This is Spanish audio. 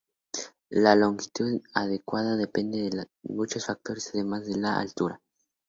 La longitud adecuada depende de muchos factores además de la altura.